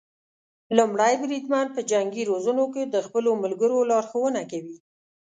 لومړی بریدمن په جنګي روزنو کې د خپلو ملګرو لارښونه کوي.